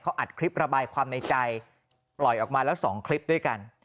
อัดคลิประบายความในใจปล่อยออกมาแล้ว๒คลิปด้วยกัน